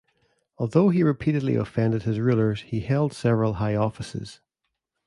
Although he repeatedly offended his rulers, he held several high offices.